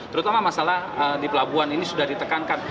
terutama masalah di pelabuhan ini sudah ditekankan